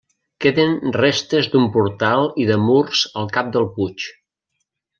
Queden restes d'un portal i de murs al cap del puig.